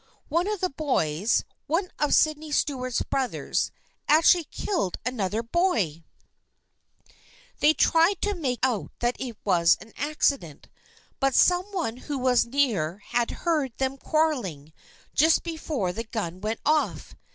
One of the boys, one of Sydney Stuart's brothers, actually killed another boy ! They tried to make out that it was an accident, but some one who was near had heard them quar reling, just before the gun went off.